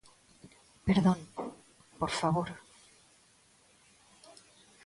Perdón, por favor.